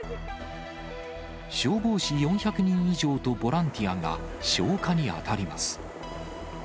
消防士４００人以上とボランティアが消火に当たります。